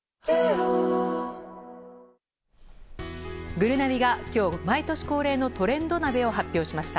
ぐるなびが今日、毎年恒例のトレンド鍋を発表しました。